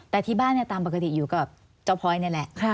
แต่ที่บ้านตามปกติอยู่กับเจ้าพลอยนี่แหละ